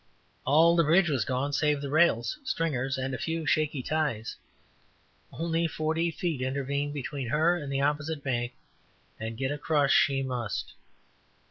All the bridge was gone save the rails, stringers and a few shaky ties. Only forty feet intervened between her and the opposite bank, and get across she must.